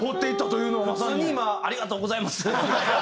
普通に今「ありがとうございます」って。